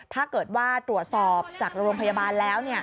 ถ้าเกิดว่าตรวจสอบจากโรงพยาบาลแล้ว